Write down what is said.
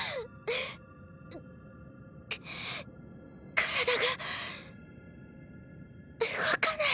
体が動かない。